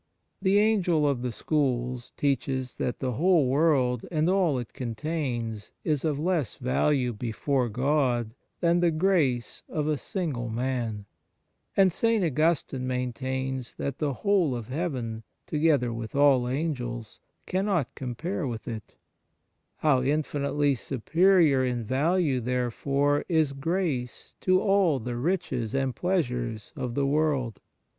The Angel of the Schools 1 teaches that the whole world and all it contains is of less value before God than the grace of a single man, and St. Augustine maintains that the whole of heaven, together with 1 Thorn., i, 9, 113, a. 9, ad 2. 3 A THE MARVELS OF DIVINE GRACE all Angels, cannot compare with it. 1 How infinitely superior in value, therefore, is grace to all the riches and pleasures of the world